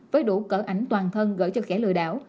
với đủ cỡ ảnh toàn thân gửi cho kẻ lừa đảo